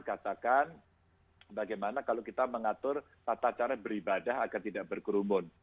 katakan bagaimana kalau kita mengatur tata cara beribadah agar tidak berkerumun